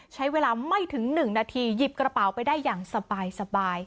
ใช้เวลาไม่ถึง๑นาทีหยิบกระเป๋าไปได้อย่างสบาย